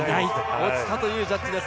落ちたというジャッジです。